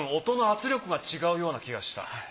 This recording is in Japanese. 音の圧力が違うような気がした。